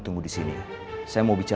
jangan hi emma